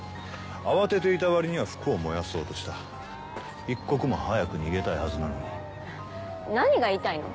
慌てていた割には服を燃やそうとした一刻も早く逃げたいはずなのに何が言いたいの？